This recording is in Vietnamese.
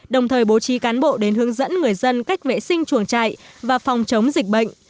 đồng thời bố trí cán bộ đến hướng dẫn người dân cách vệ sinh chuồng trại và phòng chống dịch bệnh